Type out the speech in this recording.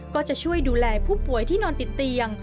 ก็จะช่วยดูแลผู้ป่วยที่นอนติดเตียง